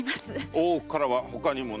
大奥からほかにも？